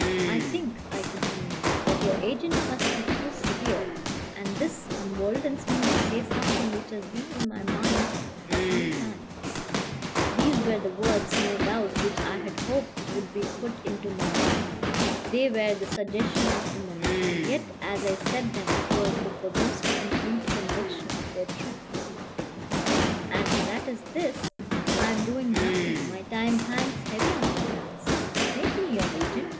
"I think," I continued, "that your agent must be too severe. And this emboldens me to say something which has been in my mind for some time" (these were the words, no doubt, which I had hoped would be put into my month; they were the suggestion of the moment, and yet as I said them it was with the most complete conviction of their truth) "and that is this: I am doing nothing; my time hangs heavy on my hands. Make me your agent.